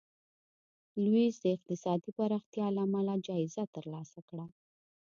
لویس د اقتصادي پراختیا له امله جایزه ترلاسه کړه.